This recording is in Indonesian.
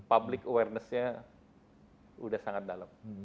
public awareness nya sudah sangat dalam